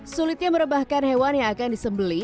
sulitnya merebahkan hewan yang akan disembeli